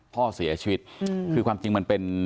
พ่อเสียชีวิตคือความจริงมันเป็น